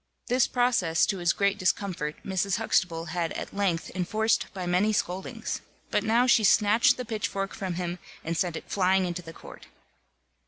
This process, to his great discomfort, Mrs. Huxtable had at length enforced by many scoldings; but now she snatched the pitchfork from him, and sent it flying into the court.